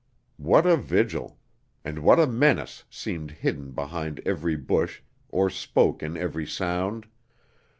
What a vigil! And what a menace seemed hidden behind every bush or spoke in every sound!